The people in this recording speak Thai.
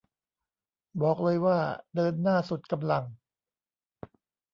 บอกเลยว่าเดินหน้าสุดกำลัง